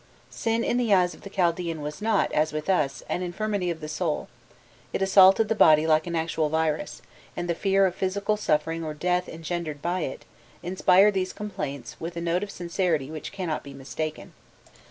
Sin in the eyes of the Chaldaean was not, as with us, an infirmity of the soul; it assaulted the body like an actual virus, and the fear of physical suffering or death engendered by it, inspired these complaints with a note of sincerity which cannot be mistaken.